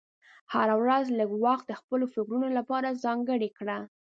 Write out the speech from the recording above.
هره ورځ لږ وخت د خپلو فکرونو لپاره ځانګړی کړه.